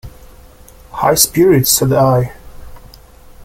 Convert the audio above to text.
“High spirit,” said I.